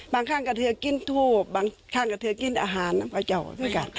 บางครั้งก็เธอกินทูบบางครั้งก็เธอกินอาหารนะพระเจ้ากัน